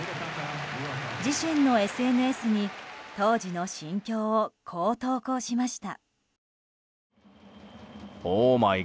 自身のＳＮＳに当時の心境をこう投稿しました。